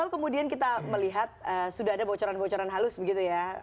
kalau kemudian kita melihat sudah ada bocoran bocoran halus begitu ya